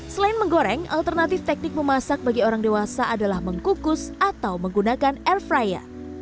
selain menggoreng alternatif teknik memasak bagi orang dewasa adalah mengkukus atau menggunakan air fryer